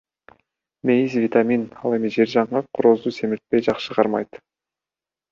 Мейиз — витамин, ал эми жер жаңгак корозду семиртпей жакшы кармайт.